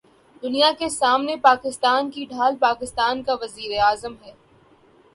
دنیا کے سامنے پاکستان کی ڈھال پاکستان کا وزیراعظم ہے۔